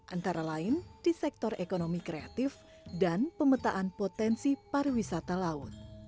antara lain di sektor ekonomi kreatif dan pemetaan potensi pariwisata laut